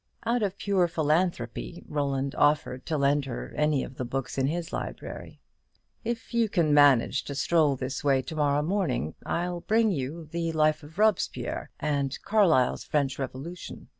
Out of pure philanthropy Roland offered to lend her any of the books in his library. "If you can manage to stroll this way to morrow morning, I'll bring you the 'Life of Robespierre,' and Carlyle's 'French Revolution.'